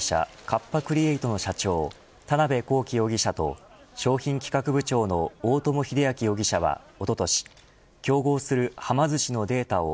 カッパ・クリエイトの社長田辺公己容疑者と商品企画部長の大友英昭容疑者は、おととし競合する、はま寿司のデータを